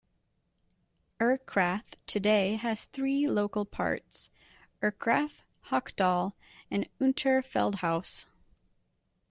Erkrath today has three local parts: Erkrath, Hochdahl and Unterfeldhaus.